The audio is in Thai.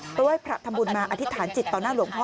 เพื่อไว้พระธรรมบุญมาอธิษฐานจิตต่อหน้าหลวงพ่อ